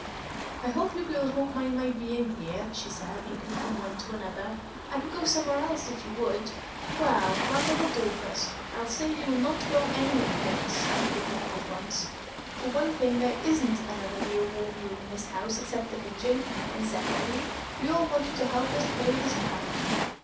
"I hope you girls won't mind my being here," she said, looking from one to another. "I could go somewhere else, if you would." "Well, Grandmother Dorcas, I'll say you'll not go anywhere else," Peggy declared at once. "For one thing, there isn't another real warm room in this house except the kitchen, and secondly, we all want you to help us plan this prank."